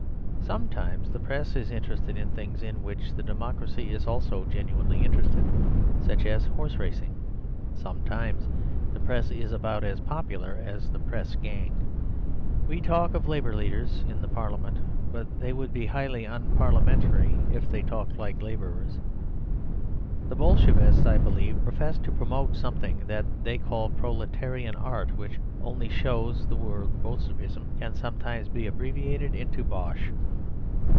Sometimes the Press is interested in things in which the democracy is also genuinely interested; such as horse racing. Sometimes the Press is about as popular as the Press Gang. We talk of Labour leaders in Parliament; but they would be highly unparliamentary if they talked like labourers. The Bolshevists, I believe, profess to promote something that they call "proletarian art," which only shows that the word Bolshevism can sometimes be abbreviated into bosh.